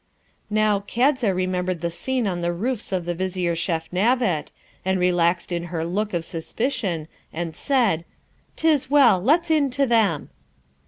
Now, Kadza remembered the scene on the roofs of the Vizier Feshnavat, and relaxed in her look of suspicion, and said, ''Tis well! Let's in to them.'